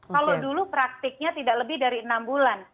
kalau dulu praktiknya tidak lebih dari enam bulan